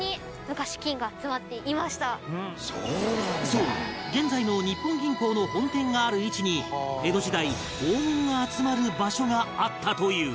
そう現在の日本銀行の本店がある位置に江戸時代黄金が集まる場所があったという